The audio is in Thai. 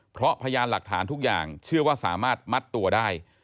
เพราะพยานหลักฐานทุกอย่างเชื่อว่าสามารถมัดตัวได้